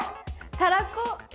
たらこ。